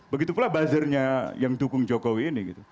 begitu pula buzzernya yang dukung jokowi ini gitu